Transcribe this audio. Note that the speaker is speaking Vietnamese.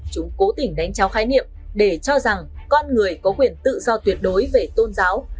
chúng cố tình đánh trao khái niệm để cho rằng con người có quyền tự do tuyệt đối về tôn giáo